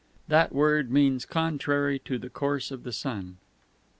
That word means "contrary to the course of the Sun."